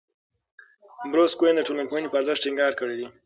بروس کوئن د ټولنپوهنې په ارزښت ټینګار کړی دی.